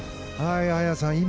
綾さん